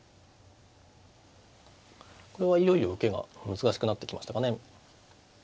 これはいよいよ受けが難しくなってきましたかね。